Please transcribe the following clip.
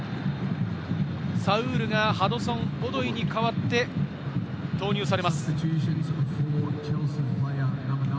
サウールがハドソン・オドイに代わって、投入されます。